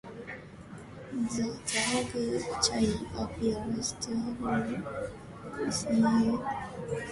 Zhang Chai appears to have followed Shi Le during the split.